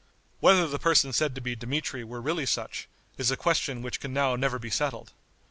Whether the person said to be Dmitri were really such, is a question which can now never be settled.